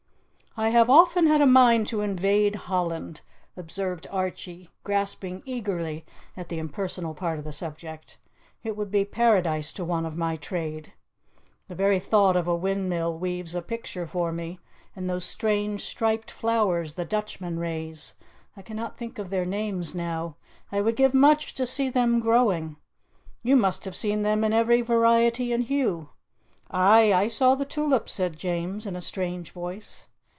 "I have often had a mind to invade Holland," observed Archie, grasping eagerly at the impersonal part of the subject; "it would be paradise to one of my trade. The very thought of a windmill weaves a picture for me, and those strange, striped flowers the Dutchmen raise I cannot think of their names now I would give much to see them growing. You must have seen them in every variety and hue." "Ay, I saw the tulips," said James, in a strange voice.